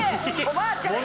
おばあちゃん！